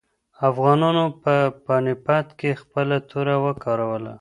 افغانانو په پاني پت کې خپله توره وکاروله.